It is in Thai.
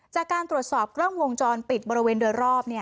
จากการตรวจสอบกล้องวงจรปิดบริเวณโดยรอบ